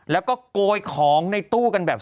แล้วก็โกยของในตู้กันแบบ